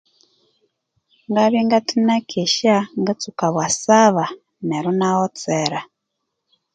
Ngabya ngathe nakesya ngatsuka bwa saba neryo ina ghotsera